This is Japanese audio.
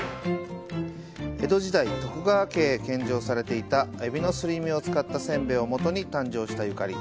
江戸時代、徳川家へ献上されていたエビのすり身を使ったせんべいをもとに誕生した「ゆかり」。